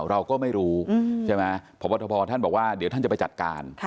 เราก็ไม่รู้ใช่ไหมพบทบท่านบอกว่าเดี๋ยวท่านจะไปจัดการ